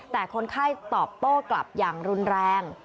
แต่คนไข้ตอบโต้กลับอย่างรุนแรง